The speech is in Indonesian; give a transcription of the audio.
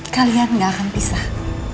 kalian gak akan pisah